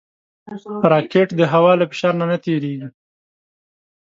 راکټ د هوا له فشار نه تېریږي